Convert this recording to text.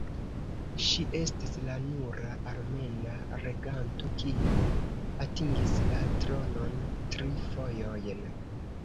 Ŝi estis la nura armena reganto kiu atingis la tronon tri fojojn.